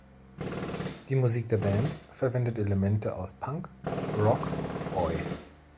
Die Musik der Band verwendet Elemente aus Punk, Rock, Oi!